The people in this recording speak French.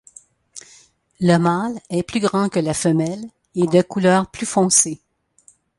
Le mâle est plus grand que la femelle et de couleur plus foncée.